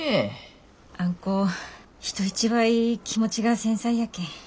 あん子人一倍気持ちが繊細やけん。